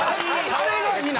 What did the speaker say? あれがいいの！